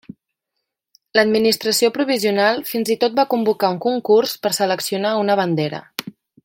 L'administració provisional fins i tot va convocar un concurs per seleccionar una bandera.